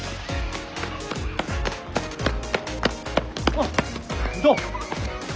あっどう？